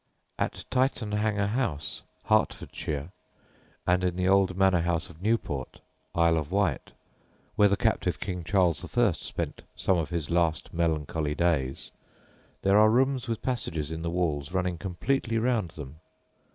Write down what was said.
At Tyttenhanger House, Hertfordshire, and in the old manor house of Newport, Isle of Wight (where the captive King Charles I. spent some of his last melancholy days), there are rooms with passages in the walls running completely round them.